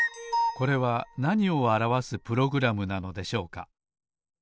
これはなにをあらわすプログラムなのでしょうか？